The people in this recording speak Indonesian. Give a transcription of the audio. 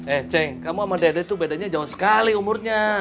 eh ceng kamu sama dede tuh bedanya jauh sekali umurnya